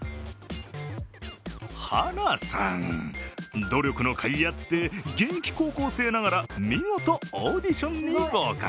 晴名さん、努力のかいあって、現役高校生ながら見事、オーディションに合格。